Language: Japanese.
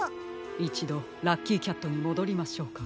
いちどラッキーキャットにもどりましょうか。